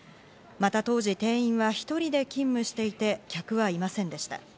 また当時、店員は１人で勤務していて、客はいませんでした。